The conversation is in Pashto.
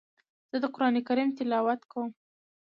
زه د قران کریم تلاوت کوم.